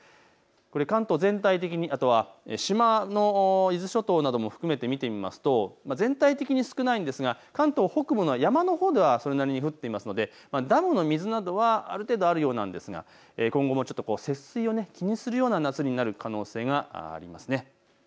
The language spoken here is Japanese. これ関東、全体的にあとは島の伊豆諸島なども含めて見てみますと全体的に少ないんですが関東北部の山のほうではそれなりに降っていますので、ダムの水などはある程度あるようなんですが今後、ちょっと節水を気にするような夏になる可能性がありますね。